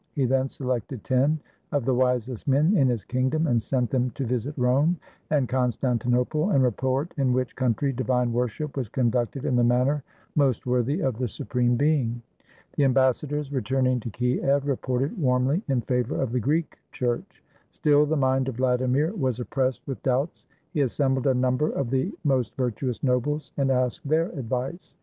He then selected ten of the wisest men in his kingdom and sent them to visit Rome and Constantinople and report in which country divine worship was conducted in the manner most worthy of the Supreme Being. The ambassadors, returning to Kiev, reported warmly in favor of the Greek Church. Still the mind of Vladimir was oppressed with doubts. He assembled a number of the most virtuous nobles and asked their advice.